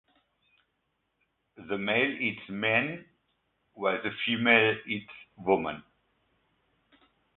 The male eats men while the female eats women.